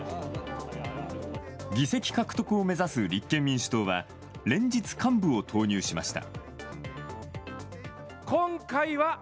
議席獲得を目指す立憲民主党は連日、幹部を投入しました。